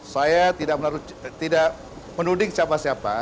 saya tidak menuding siapa siapa